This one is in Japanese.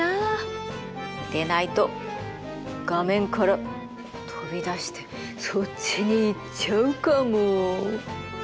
でないと画面から飛び出してそっちに行っちゃうかも。